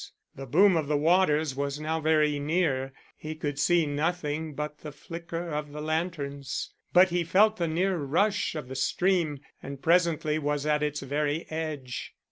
The boom of the waters was now very near; he could see nothing but the flicker of the lanterns, but he felt the near rush of the stream, and presently was at its very edge.